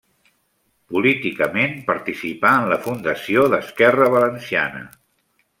Políticament participà en la fundació d'Esquerra Valenciana.